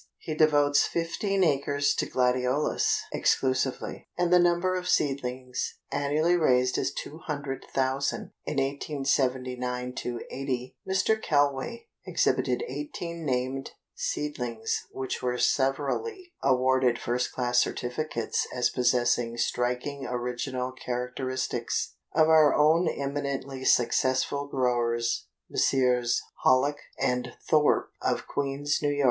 He devotes fifteen acres to Gladiolus exclusively, and the number of seedlings annually raised is 200,000. In 1879 80, Mr. Kelway exhibited eighteen named seedlings which were severally awarded first class certificates as possessing striking original characteristics. Of our own eminently successful growers, Messrs. Hallock and Thorp of Queens, N. Y.